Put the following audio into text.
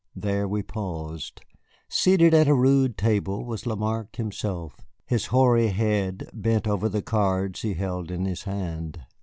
There we paused. Seated at a rude table was Lamarque himself, his hoary head bent over the cards he held in his hand.